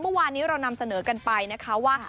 เมื่อวานนี้เรานำเสนอกันไปนะคะว่า